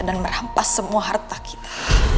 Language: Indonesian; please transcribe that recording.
dan merampas semua harta kita